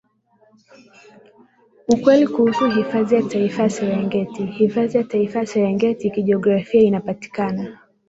Ukweli kuhusu Hifadhi ya Taifa ya Serengeti hifadhi ya Taifa Serengeti Kijiografia inapatikana